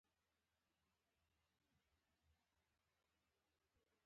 لاک انګلېنډ ته بېرته وګرځېد.